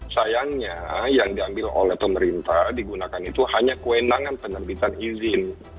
sayangnya yang diambil oleh pemerintah digunakan itu hanya kewenangan penerbitan izin